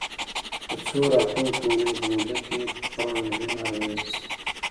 په څو راتلونکو اونیو په موده کې پرڼ وینه له منځه ځي.